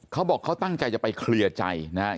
เขาบอกเขาตั้งใจจะไปเคลียร์ใจนะครับ